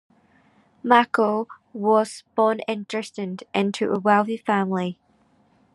Merckle was born in Dresden, into a wealthy family.